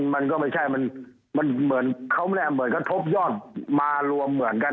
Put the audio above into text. มันก็ไม่ใช่เขาแน่เหมือนกันพบย่อนมารวมเหมือนกัน